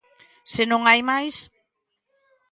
¡Se non hai máis!